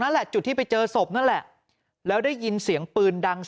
ตรงนั้นเรจุดที่ไปเจอสบแล้วได้ยินเสียงปืนดัง๓ครั้ง